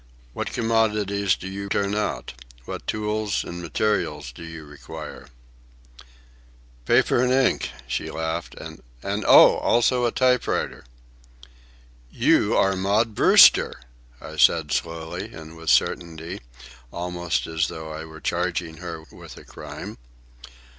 What commodities do you turn out? What tools and materials do you require?" "Paper and ink," she laughed. "And, oh! also a typewriter." "You are Maud Brewster," I said slowly and with certainty, almost as though I were charging her with a crime.